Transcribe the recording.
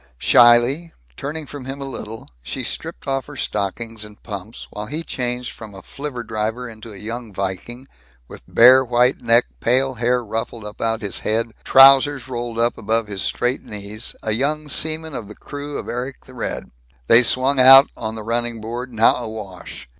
Shyly, turning from him a little, she stripped off her stockings and pumps, while he changed from a flivver driver into a young viking, with bare white neck, pale hair ruffled about his head, trousers rolled up above his straight knees a young seaman of the crew of Eric the Red. They swung out on the running board, now awash.